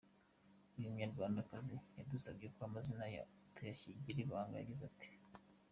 Uyu munyarwandakazi wadusabye ko amazina ye tuyagira ibanga, yagize ati: .